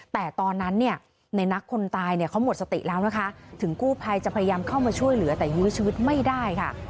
แต่ตอนนั้นเนี่ยในนักคนตายเนี่ยเขาหมดสติแล้วนะคะถึงกู้ภัยจะพยายามเข้ามาช่วยเหลือแต่ยื้อชีวิตไม่ได้ค่ะ